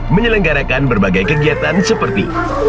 menyelenggarakan berbagai kegiatan seperti